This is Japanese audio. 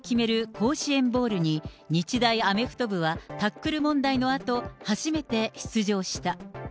甲子園ボウルに、日大アメフト部はタックル問題のあと、初めて出場した。